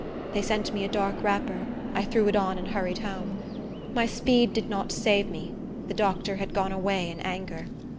They sent me a dark wrapper, I threw it on and hurried home. My speed did not save me; the doctor had gone away in anger.